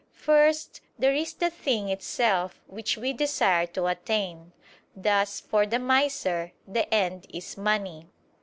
First, there is the thing itself which we desire to attain: thus for the miser, the end is money.